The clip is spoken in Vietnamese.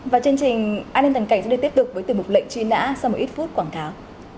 và chương trình an ninh tần cảnh sẽ được tiếp tục với từ mục lệnh truy nã sau một ít phút quảng cáo